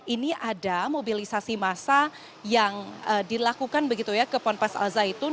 ini ada mobilisasi massa yang dilakukan begitu ya ke ponpes al zaitun